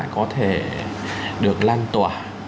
có thể được lan tỏa